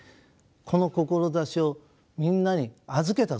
この志をみんなに預けたぞ。